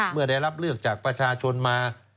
เมื่อได้รับเลือกจากประชาชนมา